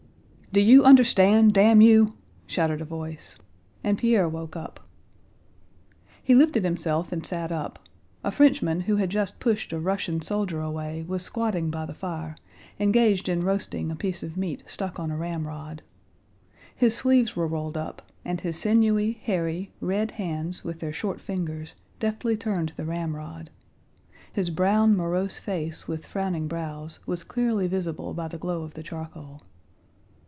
"Do you understand, damn you?" shouted a voice, and Pierre woke up. He lifted himself and sat up. A Frenchman who had just pushed a Russian soldier away was squatting by the fire, engaged in roasting a piece of meat stuck on a ramrod. His sleeves were rolled up and his sinewy, hairy, red hands with their short fingers deftly turned the ramrod. His brown morose face with frowning brows was clearly visible by the glow of the charcoal.